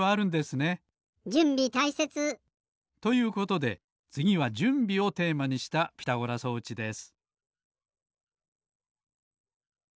じゅんびたいせつ。ということでつぎはじゅんびをテーマにしたピタゴラ装置です。